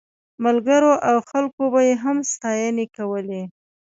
ملګرو او خلکو به یې هم ستاینې کولې.